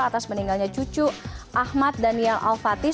atas meninggalnya cucu ahmad daniel al fatih